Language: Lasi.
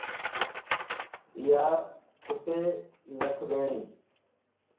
ايا خطي لک ٻيھڻي